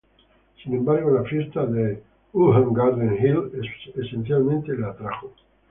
Sin embargo, la fiesta de Wuchang Garden Hill especialmente le atrajo.